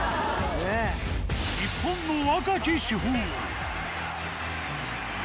日本の若き主砲。